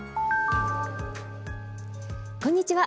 こんにちは。